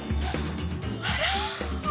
あら！